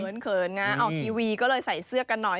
ออกทีวีก็เลยใส่เสื้อกันหน่อย